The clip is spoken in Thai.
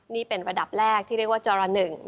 นี่เป็นระดับแรกที่เรียกว่าจร๑